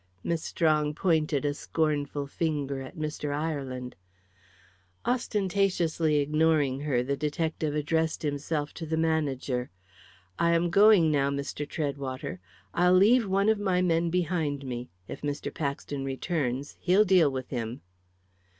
Miss Strong pointed a scornful finger at Mr. Ireland. Ostentatiously ignoring her, the detective addressed himself to the manager. "I'm going now, Mr. Treadwater. I'll leave one of my men behind me. If Mr. Paxton returns, he'll deal with him."